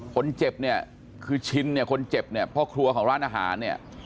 คนเจ็บเนี่ยคือชินเนี่ยคนเจ็บเนี่ยพ่อครัวของร้านอาหารเนี่ย